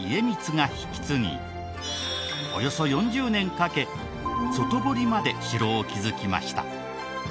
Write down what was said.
およそ４０年かけ外堀まで城を築きました。